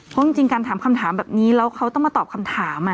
เพราะจริงการถามคำถามแบบนี้แล้วเขาต้องมาตอบคำถาม